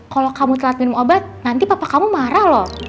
kalau kamu telat minum obat nanti papa kamu marah loh